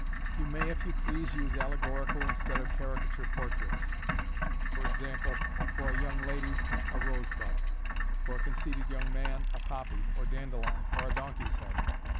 You may, if you please, use allegorical instead of caricature por traits j e.g., for a young lady, a rosebud j for a conceited young man, a poppy or dandelion, or a donkey's head.